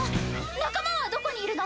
仲間はどこにいるの？